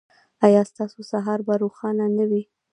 ایا ستاسو سهار به روښانه نه وي؟